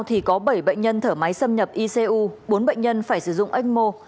trong số một mươi một bệnh nhân thở máy xâm nhập icu bốn bệnh nhân phải sử dụng ecmo